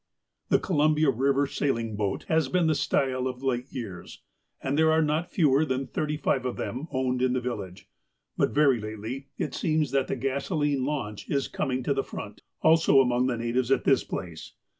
The Columbia Eiver sailing boat has been the style of late years, and there are not fewer than thirty five of them owned in the village. But very lately, it seems, that the gasoline launch is coming to the front, also among the natives at this place.